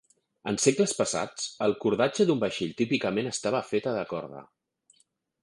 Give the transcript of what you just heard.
En segles passats, el cordatge d'un vaixell típicament estava feta de corda.